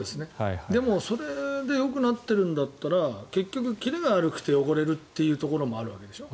でも、それでよくなってるんだったら結局、切れが悪くて汚れるというところもあるわけでしょ。